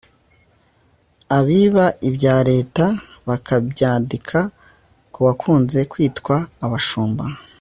abiba ibya leta bakabyadika ku bakunze kwitwa abashumba